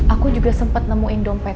aku juga sempet nemuin dompet roy